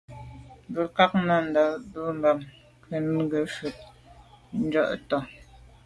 Bə̀k bɑ̌ Nùngà bə̀ bɑ́mə́ yə̂ cû vút gə́ yí gí tchwatong.